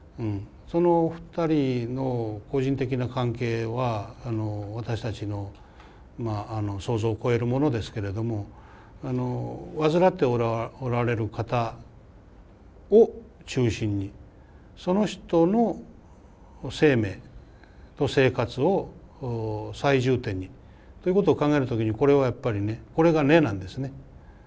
そのお二人の個人的な関係は私たちの想像を超えるものですけれども患っておられる方を中心にその人の生命と生活を最重点にということを考える時にこれはやっぱりねこれが根なんですね。